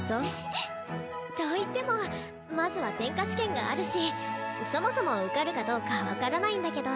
といってもまずは転科試験があるしそもそも受かるかどうか分からないんだけど。